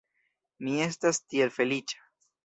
Mi estas tiel feliĉa!